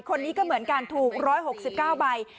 คนนี้ก็เหมือนกันถูก๑๖๙ใบ